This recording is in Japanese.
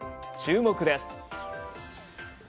注目です。